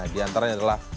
di antaranya adalah